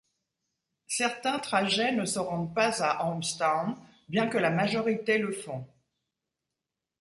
Certains trajets ne se rendent pas à Ormstown, bien que la majorité le font.